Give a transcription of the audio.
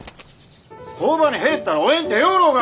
工場に入ったらおえんて言よろうが！